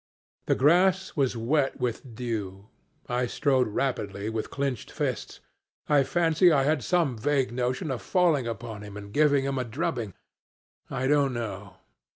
The grass was wet with dew. I strode rapidly with clenched fists. I fancy I had some vague notion of falling upon him and giving him a drubbing. I don't know.